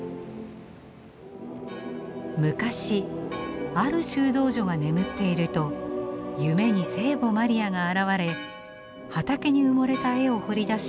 昔ある修道女が眠っていると夢に聖母マリアが現れ畑に埋もれた絵を掘り出し